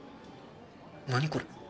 何これ？